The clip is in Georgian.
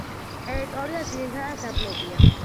ტერიტორია ძირითადად დაბლობია.